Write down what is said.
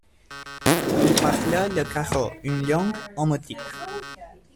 Ils parlent le karo, une langue omotique.